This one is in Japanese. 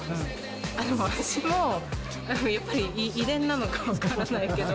私もやっぱり遺伝なのか分からないけど。